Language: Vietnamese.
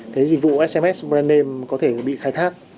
cái dịch vụ sms brand name có thể bị khai thác